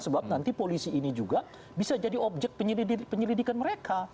sebab nanti polisi ini juga bisa jadi objek penyelidikan mereka